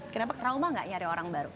kenapa trauma gak nyari orang baru